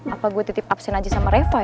apa gue titip absen aja sama reva ya